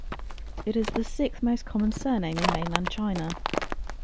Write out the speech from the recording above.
It is the sixth most common surname in Mainland China.